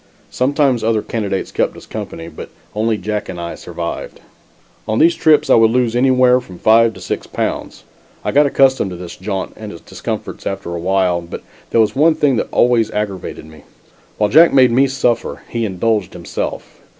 Sometimes other candidates kept us company, but only Jack and I survived. On these trips, I would lose anywhere from five to six pounds. I got accustomed to this jaunt and its discomforts after a while, but there was one thing that always aggravated me. While Jack made me suffer, he indulged himself.